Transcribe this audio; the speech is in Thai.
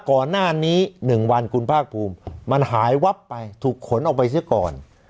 ก่อนหน้านี้๑วันคุณภาคภูมิมันหายวับไปถูกขนออกไปเสียก่อน